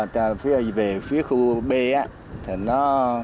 rồi về phía khu b thì nó